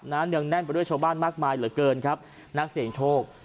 เนืองแน่นไปด้วยชาวบ้านมากมายเหลือเกินครับนักเสียงโชค